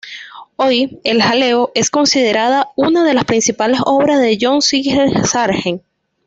Hoy "El jaleo" es considerada una de las principales obras de John Singer Sargent.